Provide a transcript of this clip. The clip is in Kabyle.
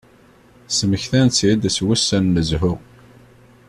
Smektan-tt-id s wussan n zzhu.